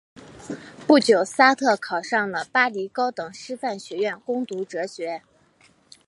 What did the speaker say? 不久萨特考上了巴黎高等师范学校攻读哲学。